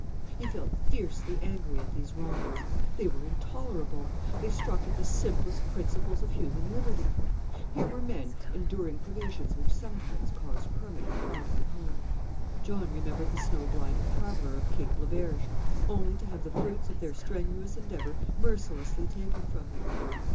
He felt fiercely angry at these wrongs. They were intolerable; they struck at the simplest principles of human liberty. Here were men enduring privations which sometimes caused permanent bodily harm John remembered the snow blinded traveller of Cape Le Berge only to have the fruits of their strenuous endeavour mercilessly taken from them!